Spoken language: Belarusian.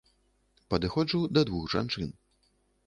Падыходжу да двух жанчын.